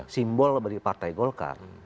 simbol dari partai golkar